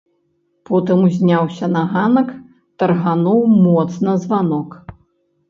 Потым узняўся на ганак, таргануў моцна званок.